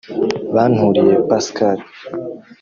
Banturiye Pascal